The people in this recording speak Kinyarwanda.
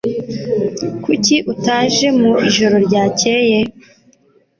Kuki utaje mu ijoro ryakeye?